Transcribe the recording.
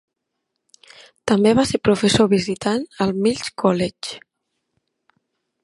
També va ser professor visitant al Mills College.